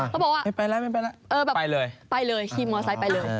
เขาบอกว่าไปเลยไปเลยขี้มอเตอร์ไซต์ไปเลย